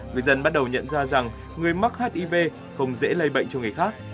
người dân bắt đầu nhận ra rằng người mắc hiv không dễ lây bệnh cho người khác